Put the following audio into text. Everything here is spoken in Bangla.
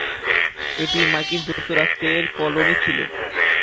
এটি মার্কিন যুক্তরাষ্ট্রের কলোনি ছিল।